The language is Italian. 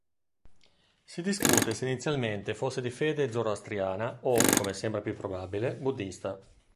Si discute se inizialmente fosse di fede zoroastriana o, come sembra più probabile, buddista.